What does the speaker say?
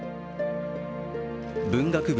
文学部